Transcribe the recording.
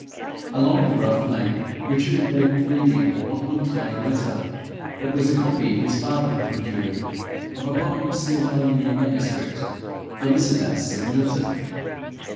Along the rough lane Richard walked reading what looked like a letter, but was a copy his father had procured of a poem still only in manuscript the Lycidas of Milton.